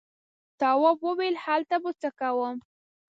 تواب وويل: هلته به څه کوم.